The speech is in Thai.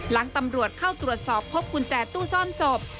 หลังตำรวจเข้าตรวจสอบพบกุญแจตู้ซ่อนศพ